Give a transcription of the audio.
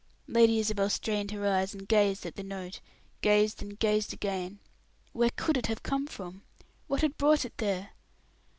Lady Isabel strained her eyes, and gazed at the note gazed and gazed again. Where could it have come from? What had brought it there?